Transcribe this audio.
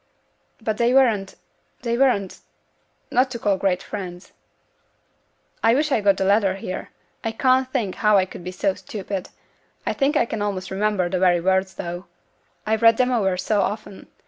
'But they weren't they weren't not to call great friends.' 'I wish I'd got the letter here; I can't think how I could be so stupid; I think I can almost remember the very words, though I've read them over so often.